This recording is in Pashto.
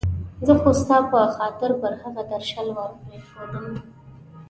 زه خو ستا په خاطر پر هغه درشل ور پېښېدم.